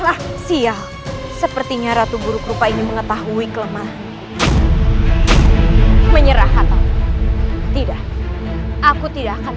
lah sial sepertinya ratu buruk rupa ini mengetahui kelemahan menyerah atau tidak aku tidak akan